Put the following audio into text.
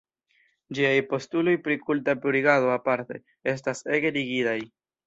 Ĝiaj postuloj pri kulta purigado, aparte, estas ege rigidaj.